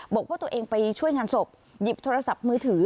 บอกว่าตัวเองไปช่วยงานศพหยิบโทรศัพท์มือถือ